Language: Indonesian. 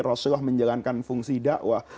rasulullah menjalankan fungsi dakwah